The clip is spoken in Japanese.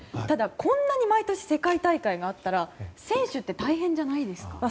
こんなに毎年世界大会があったら選手は大変じゃないですか。